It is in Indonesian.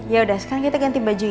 yaudah sekarang kita ganti baju ya